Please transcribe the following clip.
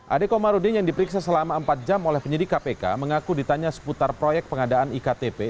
adekomarudin yang diperiksa selama empat jam oleh penyidik kpk mengaku ditanya seputar proyek pengadaan iktp